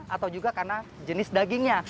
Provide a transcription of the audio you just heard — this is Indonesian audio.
atau juga karena jenis dagingnya